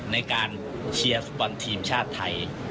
ในการเชียร์ฟุตบอลทีมชาติไทย